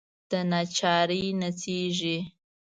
دناچارۍ نڅیږې